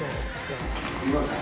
すみません。